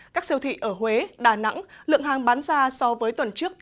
các siêu thị ở huế đà nẵng lượng hàng bán ra so với tuần trước